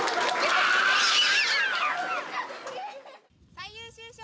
最優秀賞。